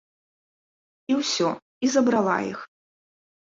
І ўсё, і забрала іх.